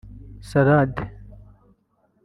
salade